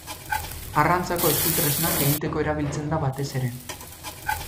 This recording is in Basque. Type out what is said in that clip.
Arrantzako esku-tresnak egiteko erabiltzen da batez ere.